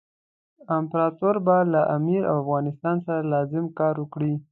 امپراطور به له امیر او افغانستان سره لازم کار وکړي.